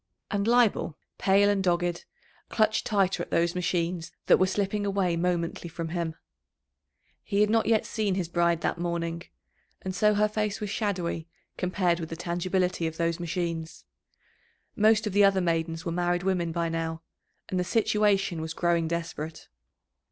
And Leibel, pale and dogged, clutched tighter at those machines that were slipping away momently from him. He had not yet seen his bride that morning, and so her face was shadowy compared with the tangibility of those machines. Most of the other maidens were married women by now, and the situation was growing desperate.